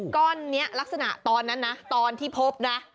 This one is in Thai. ก้อนนี้ลักษณะตอนนั้นนะตอนที่พบนะ